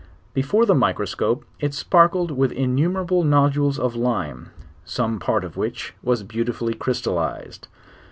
Before the microscope it sparkled with innumerable nodules of lime, some part of which was beautifully crystallized..